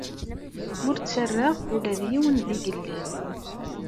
Ur ttarraɣ ula d yiwen d igellil.